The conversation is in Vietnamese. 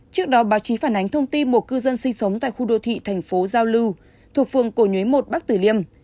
trước đó báo chí phản ánh thông tin một cư dân sinh sống tại khu đô thị thành phố giao lưu thuộc phường cổ nhuế một bắc tử liêm